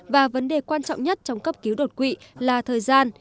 và vấn đề quan trọng nhất trong cấp cứu đột quỵ là thời gian